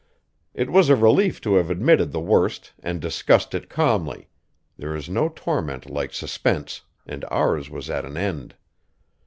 It was a relief to have admitted the worst and discussed it calmly; there is no torment like suspense, and ours was at an end.